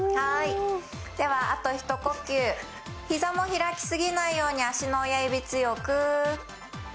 では、あと一呼吸、膝も開きすぎないように足の親指、強く。